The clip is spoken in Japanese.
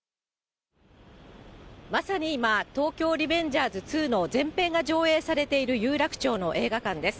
まさに今、東京リベンジャーズ２の前編が上映されている有楽町の映画館です。